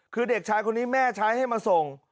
คือเด็กชายคนนี้แม่ใช้ให้มาส่ง